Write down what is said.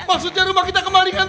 maksudnya rumah kita kemalingan dok